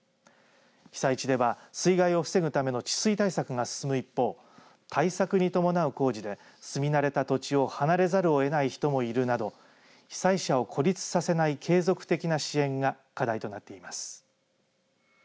被災地では水害を防ぐための治水対策が進む一方対策に伴う工事で住み慣れた土地を離れざるをえない人もいるなど被災者を孤立させない継続的な支援が課題となっています。